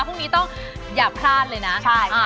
พรุ่งนี้ต้องอย่าพลาดเลยนะ